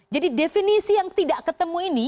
jadi definisi yang tidak ketemu ini